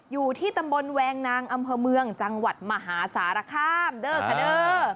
อยู่ที่ตำบลแวงนางอำเภอเมืองจังหวัดมหาสารคามเดอร์คาเดอร์